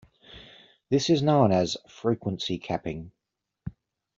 This is known as "frequency capping".